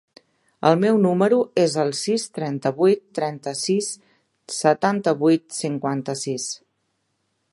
El meu número es el sis, trenta-vuit, trenta-sis, setanta-vuit, cinquanta-sis.